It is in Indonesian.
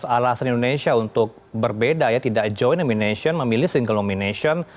alasan indonesia untuk berbeda ya tidak joint nomination memilih sink nomination